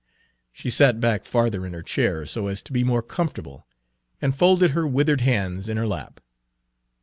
She sat back farther in her chair so as to Page 12 be more comfortable, and folded her withered hands in her lap.